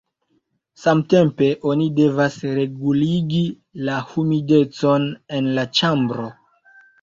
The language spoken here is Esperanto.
Samtempe oni devas reguligi la humidecon en la ĉambro.